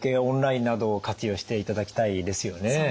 オンラインなどを活用していただきたいですよね。